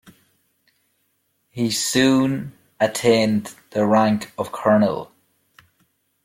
He soon attained the rank of colonel.